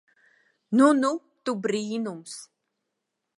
Nu nu tu brīnums.